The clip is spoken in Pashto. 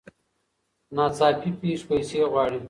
ناڅاپي پېښې پیسې غواړي.